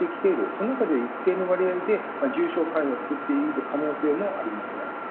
その中で、一定の割合で重症患者が出る可能性もありますね。